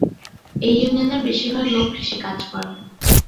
এ ইউনিয়নের বেশির ভাগ লোক কৃষি কাজ করে।